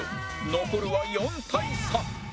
残るは４対３